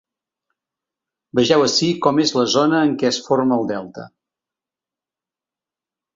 Vegeu ací com és la zona en què es forma el delta.